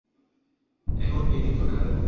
এখন এই তিন চোর, কারাগারে বন্দী।